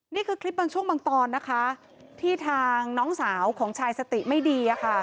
นี่คือคลิปบางช่วงบางตอนนะคะที่ทางน้องสาวของชายสติไม่ดี